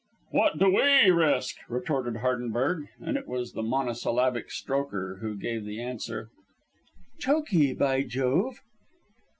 "What do we risk?" retorted Hardenberg; and it was the monosyllabic Strokher who gave the answer: "Chokee, by Jove!"